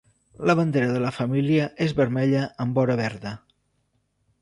La bandera de la família és vermella amb vora verda.